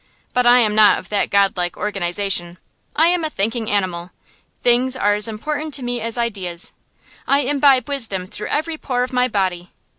But I am not of that godlike organization. I am a thinking animal. Things are as important to me as ideas. I imbibe wisdom through every pore of my body.